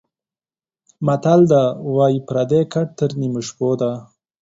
متل ده:واى پردى ګټ تر نيمو شپو ده.